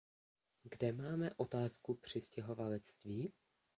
Kde máme otázku přistěhovalectví?